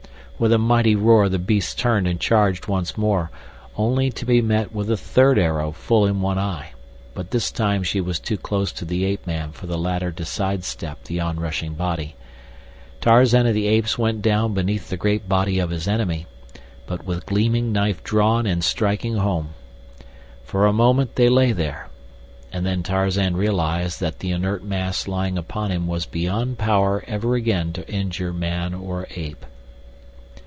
With a mighty roar the beast turned and charged once more, only to be met with a third arrow full in one eye; but this time she was too close to the ape man for the latter to sidestep the onrushing body. Tarzan of the Apes went down beneath the great body of his enemy, but with gleaming knife drawn and striking home. For a moment they lay there, and then Tarzan realized that the inert mass lying upon him was beyond power ever again to injure man or ape.